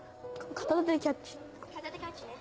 片手キャッチね。